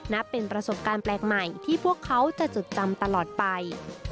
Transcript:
นับเป็นประสบการณ์แปลกใหม่ที่พวกเขาจะจดจำตลอดไป